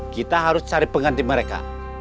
kita harus cari pengganti mereka